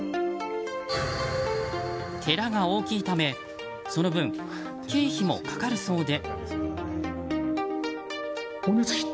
寺が大きいため、その分経費もかかるそうで。